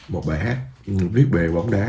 một bài hát viết bề bóng đá